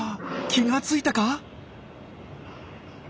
気が付いたか？